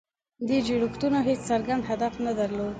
دې جوړښتونو هېڅ څرګند هدف نه درلود.